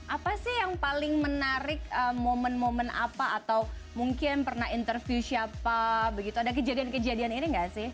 apa sih yang paling menarik momen momen apa atau mungkin pernah interview siapa begitu ada kejadian kejadian ini nggak sih